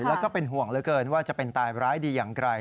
แล้วก็เป็นห่วงเหลือเกินว่าจะเป็นตายร้ายดีอย่างไร